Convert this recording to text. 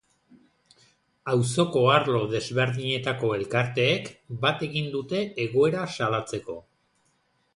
Auzoko arlo desberdinetako elkarteek bat egin dute egoera salatzeko.